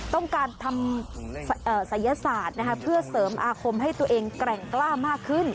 ต้องการทำศัยศาสตร์เพื่อเสริมอาคมให้ตัวเองแกร่งกล้ามากขึ้น